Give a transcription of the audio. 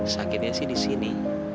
sakitnya sih disini